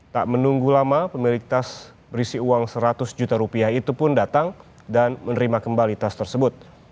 tak menunggu lama pemilik tas berisi uang seratus juta rupiah itu pun datang dan menerima kembali tas tersebut